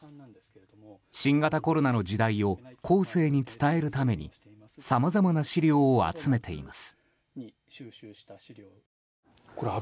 新型コロナの時代を後世に伝えるためにさまざまな資料を集めています。